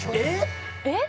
えっ！？